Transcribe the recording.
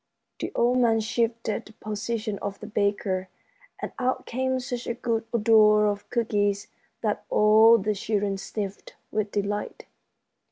The old man shifted the position of the baker, and out came such a good odor of cookies that all the children sniffed with delight.